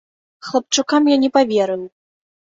Хлапчукам я не паверыў.